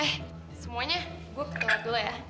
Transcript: eh semuanya gue keringat dulu ya